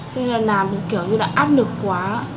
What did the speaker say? nên là làm kiểu như là áp lực quá